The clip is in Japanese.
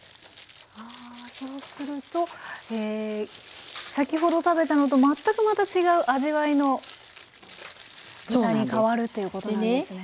ああそうすると先ほど食べたのと全くまた違う味わいの豚に変わるということなんですね。